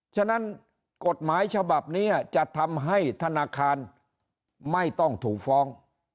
ฉะนั้นกฎหมายฉบับนี้จะทำให้ธนาคารไม่ต้องถูกฟ้อง